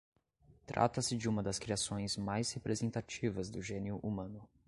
Trata-se de uma das criações mais representativas do génio humano